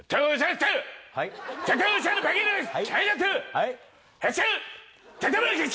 はい？